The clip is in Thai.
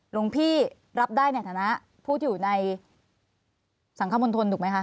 หลวงพี่รับได้ในฐานะผู้ที่อยู่ในสังคมณฑลถูกไหมคะ